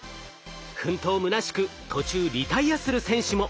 奮闘むなしく途中リタイアする選手も。